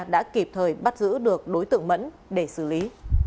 đã kịp thời bắt giữ được đối tượng mẫn để xử lý